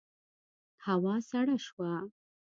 هوا سړه شوه.